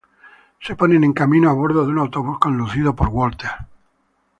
Se ponen en camino a bordo de un autobús, conducido por Walter.